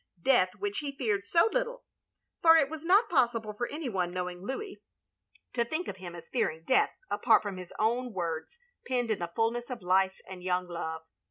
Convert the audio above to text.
Death which he feared so little; for it was not possible for any one, knowing Louis, to think OP GROSVENOR SQUARE 329 of him as fearing death, apart from his own words penned in the fulness of life and young love.